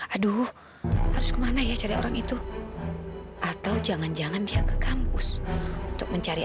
aduh harus kemana ya cari orang itu atau jangan jangan dia ke kampus untuk mencari